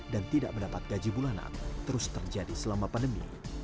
dan tidak mendapat gaji bulanan terus terjadi selama pandemi